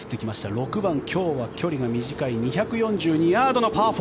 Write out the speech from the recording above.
６番、今日は距離が短い２４２ヤードのパー４。